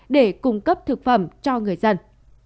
để cung cấp thực phẩm cho người dân